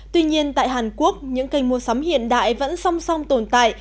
tuy nhiên tại hàn quốc những kênh mua sắm hiện đại vẫn song song tồn tại